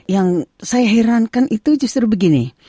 yang saya herankan itu justru begini